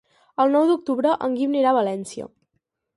El nou d'octubre en Guim anirà a València.